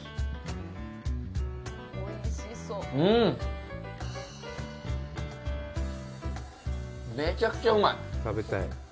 うん、めちゃくちゃうまい。